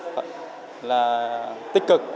rất là tích cực